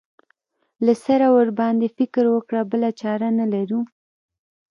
له سره ورباندې فکر وکړو بله چاره نه لرو.